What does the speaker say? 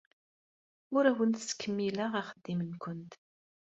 Ur awent-ttkemmileɣ axeddim-nwent.